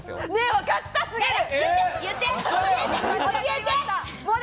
わかったすぎる！